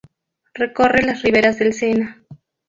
Recorre las riberas del Sena.